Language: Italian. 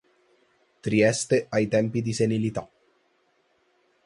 Trieste ai tempi di Senilità".